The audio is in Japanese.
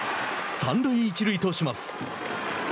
三塁一塁とします。